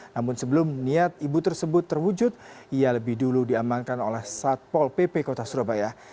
namun sebelum niat ibu tersebut terwujud ia lebih dulu diamankan oleh satpol pp kota surabaya